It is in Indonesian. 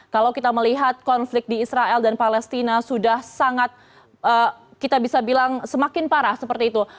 kalau kita melihat konflik di israel dan palestina sudah sangat kita bisa bilang semakin parah seperti itu